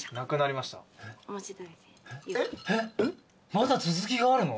まだ続きがあるの？